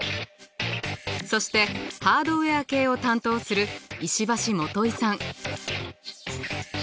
そしてハードウェア系を担当する石橋素さん。